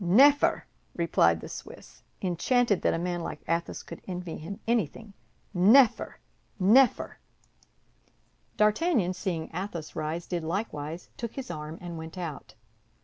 "Neffer," replied the Swiss, enchanted that a man like Athos could envy him anything. "Neffer, neffer!" D'Artagnan, seeing Athos rise, did likewise, took his arm, and went out.